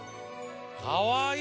かわいい！